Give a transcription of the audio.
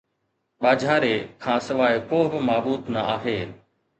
ٻاجھاري کان سواءِ ڪو به معبود نه آھي